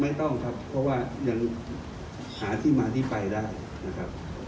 ไม่ต้องครับเพราะว่ายังหาที่มาที่ไปได้นะครับ